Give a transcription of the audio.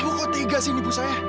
ibu kok tiga sih ibu saya